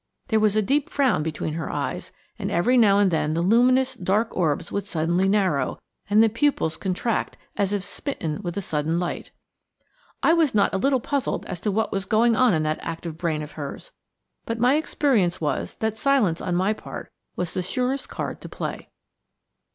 There was a deep frown between her eyes, and every now and then the luminous, dark orbs would suddenly narrow, and the pupils contract as if smitten with a sudden light. I was not a little puzzled as to what was going on in that active brain of hers, but my experience was that silence on my part was the surest card to play.